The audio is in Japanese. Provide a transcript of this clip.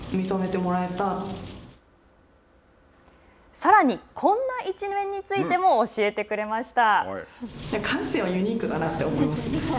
さらにこんな一面についても教えてくれました。